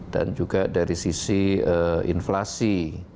dan juga dari sisi inflasi